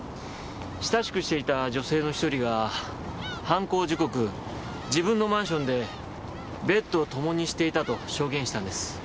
親しくしていた女性の１人が犯行時刻自分のマンションでベッドを共にしていたと証言したんです。